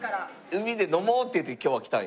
海で飲もうっていって今日は来たんや。